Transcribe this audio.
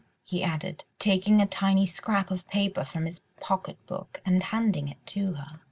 he added, taking a tiny scrap of paper from his pocket book and handing it to her.